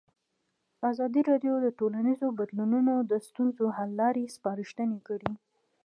ازادي راډیو د ټولنیز بدلون د ستونزو حل لارې سپارښتنې کړي.